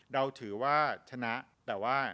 เราถือว่าชนะแต่ว่า